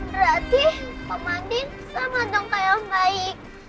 berarti mbak andin sama dong kayang baik